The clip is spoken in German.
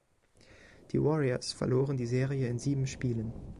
Die Warriors verloren die Serie in sieben Spielen.